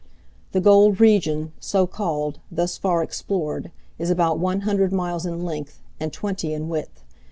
The gold region, so called, thus far explored, is about one hundred miles in length and twenty in width.